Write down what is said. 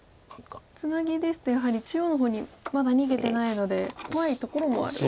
ツナギですとやはり中央の方にまだ逃げてないので怖いところもある。